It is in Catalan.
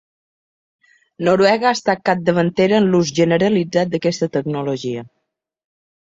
Noruega ha estat capdavantera en l'ús generalitzat d'aquesta tecnologia.